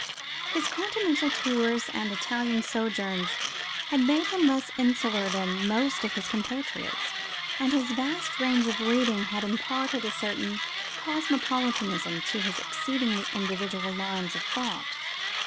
His Continental tours and Italian sojourns had made him less insular than most of his compatriots, and his vast range of reading had imparted a certain cosmopolitanism to his exceedingly individual lines of thought.